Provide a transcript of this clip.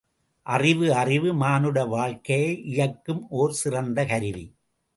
அறிவு அறிவு, மானுட வாழ்க்கையை இயக்கும் ஒரு சிறந்த கருவி.